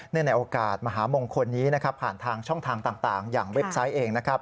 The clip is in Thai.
เนื่องในโอกาสมหามงคลนี้ผ่านทางช่องทางต่างอย่างเว็บไซต์เอง